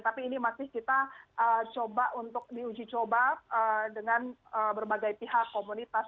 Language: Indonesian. tapi ini masih kita coba untuk diuji coba dengan berbagai pihak komunitas